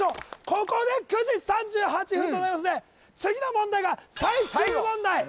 ここで９時３８分でございますんで次の問題が最終問題